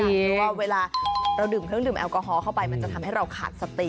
เพราะว่าเวลาเราดื่มเครื่องดื่มแอลกอฮอลเข้าไปมันจะทำให้เราขาดสติ